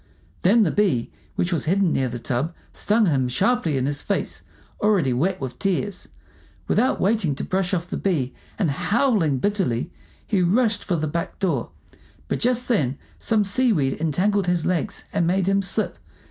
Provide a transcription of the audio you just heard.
Then the bee which was hidden near the tub stung him sharply in his face, already wet with tears. Without waiting to brush off the bee, and howling bitterly, he rushed for the back door; but just then some seaweed entangled his legs and made him slip.